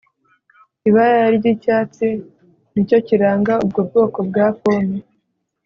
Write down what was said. Ibara ryicyatsi nicyo kiranga ubwo bwoko bwa pome